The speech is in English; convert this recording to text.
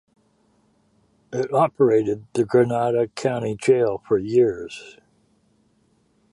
It operated the Grenada County jail for years.